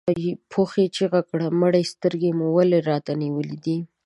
پوځي چیغه کړه مړې سترګې مو ولې راته نیولې دي؟